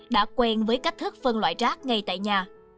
đã quen với cách thức phân loại rác ngay tại nhà